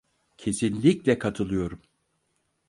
Kesinlikle katılıyorum.